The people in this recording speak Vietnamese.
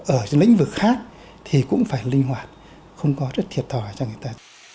ở lĩnh vực khác thì cũng phải linh hoạt không có rất thiệt thòi cho người ta